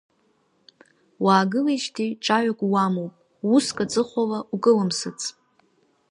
Уаагылеижьҭеи ҿаҩак уамоуп, уск аҵыхәала укылымсыц.